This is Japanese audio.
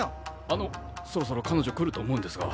あのそろそろ彼女来ると思うんですが。